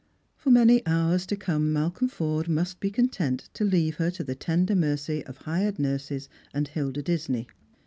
For many hours to come Malcolm Forde nnr j be content to leave her to the tender mercy »f hired nurses apd Hilda Disney.